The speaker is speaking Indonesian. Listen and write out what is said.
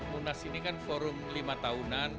munas ini kan forum lima tahunan